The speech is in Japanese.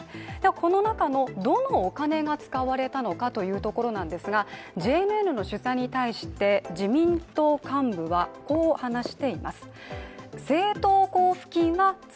この中のどのお金が使われたのかというところなんですが、ＪＮＮの取材に対して、自民党幹部はこう話しています。